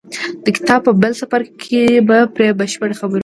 د کتاب په بل څپرکي کې به پرې بشپړې خبرې وکړو.